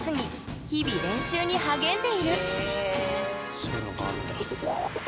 そういうのがあるんだ。